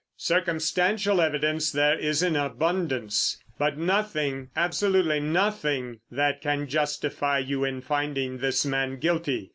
Circumstantial evidence there is in abundance, but nothing—absolutely nothing—that can justify you in finding this man guilty."